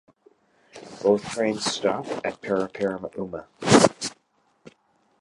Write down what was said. Both trains stop at Paraparaumu.